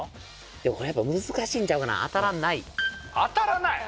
でもやっぱ難しいんちゃうかな当たらない当たらない？